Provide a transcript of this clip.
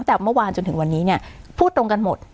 แต่เมื่อวานจนถึงวันนี้เนี่ยพูดตรงกันหมด